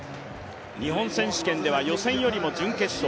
日本選手権では予選よりも準決勝。